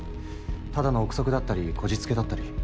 ただの臆測だったりこじつけだったり。